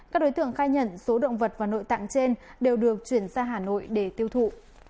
các đối tượng khai nhận số động vật và nội tạng trên đều được chuyển ra hà nội để tiêu thụ